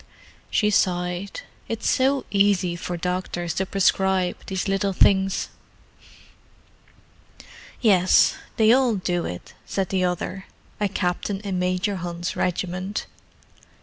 She sighed. "It's so easy for doctors to prescribe these little things." "Yes—they all do it," said the other—a captain in Major Hunt's regiment.